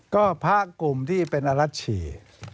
ก็พระกลุ่มที่เป็นอรัชชี